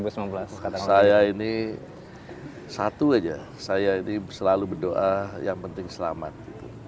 saya ini satu aja saya ini selalu berdoa yang penting selamat gitu